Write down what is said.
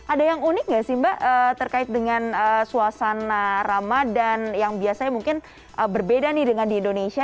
ada yang unik nggak sih mbak terkait dengan suasana ramadan yang biasanya mungkin berbeda nih dengan di indonesia